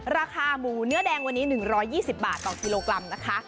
ราคาหมูเนื้อแดงวันนี้หนึ่งร้อยยี่สิบบาทต่อกิโลกรัมนะคะ